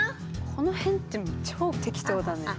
この辺って超適当だね。